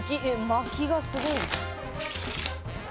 まきがすごい。